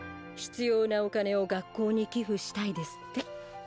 必要なお金を学校に寄付したいですって。